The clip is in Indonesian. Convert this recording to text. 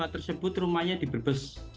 karena rumahnya dibebes